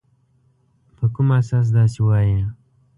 په کوم اساس داسي وایې ؟